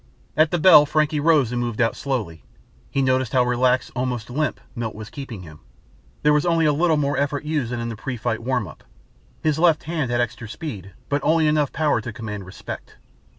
At the bell Frankie rose and moved out slowly. He noticed how relaxed, almost limp, Milt was keeping him. There was only a little more effort used than in the pre fight warm up. His left hand had extra speed but only enough power to command respect.